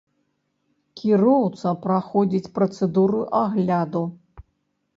Кіроўца праходзіць працэдуру агляду.